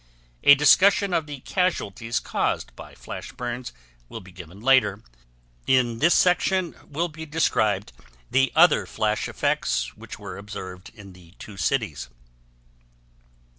A discussion of the casualties caused by flash burns will be given later; in this section will be described the other flash effects which were observed in the two cities.